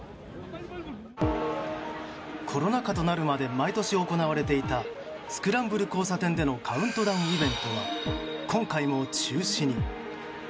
コロナ禍となるまで毎年行われていたスクランブル交差点でのカウントダウンイベントは今回も中止に。